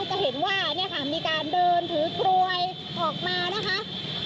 จะเห็นว่ามีการเดินถือกรวยออกมานะคะ